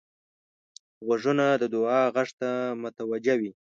غوږونه د دعا غږ ته متوجه وي